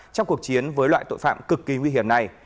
trong cuộc chiến với loại tội phạm cực kỳ nguy hiểm này